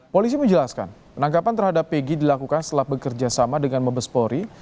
polisi menjelaskan penangkapan terhadap pg dilakukan setelah bekerja sama dengan mabespori